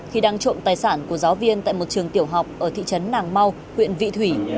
khi đang trộm tài sản của giáo viên tại một trường tiểu học ở thị trấn nàng mau huyện vị thủy